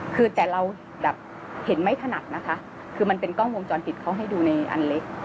คือแต่เราแบบเห็นไม่ถนัดนะคะคือมันเป็นกล้องวงจรปิดเขาให้ดูในอันเล็ก